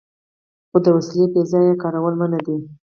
خو د وسلې بې ځایه کارول منع دي.